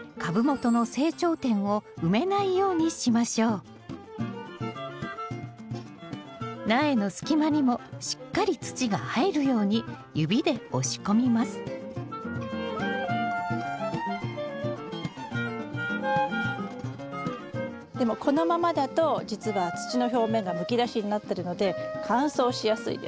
土を入れる際には苗の隙間にもしっかり土が入るように指で押し込みますでもこのままだとじつは土の表面がむき出しになってるので乾燥しやすいです。